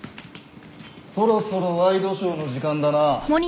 そろそろワイドショーの時間だな。